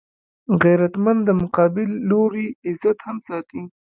غیرتمند د مقابل لوري عزت هم ساتي